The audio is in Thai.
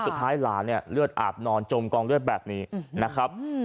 สุดท้ายหลานเนี่ยเลือดอาบนอนจมกองเลือดแบบนี้นะครับ